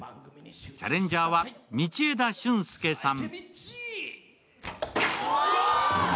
チャレンジャーは道枝駿佑さん。